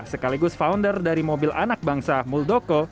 sekaligus founder dari mobil anak bangsa muldoko